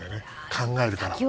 考えるから。